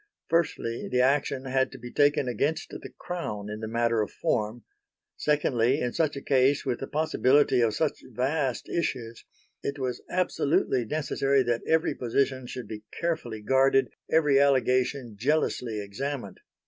Firstly the action had to be taken against the Crown in the matter of form; secondly in such a case with the possibility of such vast issues it was absolutely necessary that every position should be carefully guarded, every allegation jealously examined.